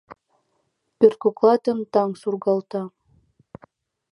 Пӧрткоклатым таҥ сургалтат.